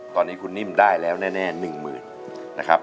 ตอนนี้คุณนิ่มได้แล้วแน่๑หมื่นนะครับ